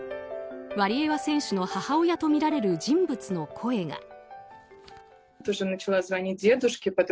ワリエワ選手の母親とみられる人物の声が。